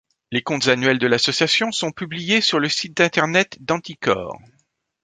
Les comptes annuels de l'association sont publiés sur le site internet d'Anticor.